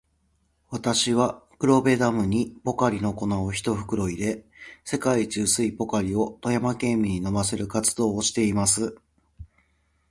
私は、黒部ダムにポカリの粉を一袋入れ、世界一薄いポカリを富山県民に飲ませる活動をしています。